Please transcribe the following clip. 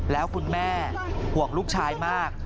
แล้วคุณแม่ห่วงลูกชายมาก